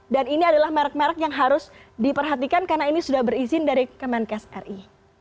dan ini adalah merek merek yang harus diperhatikan karena ini sudah berizin dari kemenkes ri